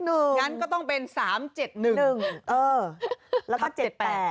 งั้นก็ต้องเป็น๓๗๑๑เออแล้วก็๗๘